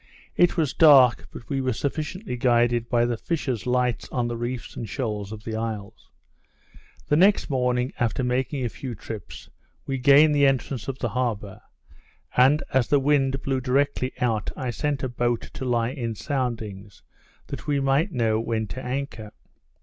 It was dark, but we were sufficiently guided by the fishers lights on the reefs and shores of the isles. The next morning, after making a few trips, we gained the entrance of the harbour; and, as the wind blew directly out, I sent a boat to lie in soundings, that we might know when to anchor.